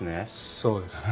そうです。